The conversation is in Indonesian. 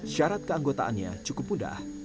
syarat keanggotaannya cukup mudah